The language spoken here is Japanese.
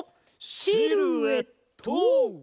シルエット！